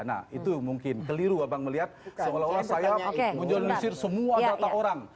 nah itu mungkin keliru abang melihat seolah olah saya menyolisir semua data orang